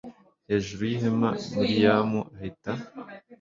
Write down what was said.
hejuru y ihema miriyamu ahita